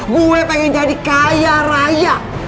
gue pengen jadi kaya raya